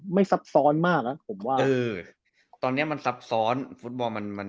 ซับซ้อนมากนะผมว่าเออตอนเนี้ยมันซับซ้อนฟุตบอลมันมัน